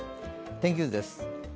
天気図です。